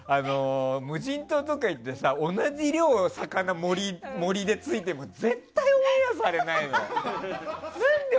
無人島とか行って同じ量の魚をモリで突いても絶対オンエアされないのよ。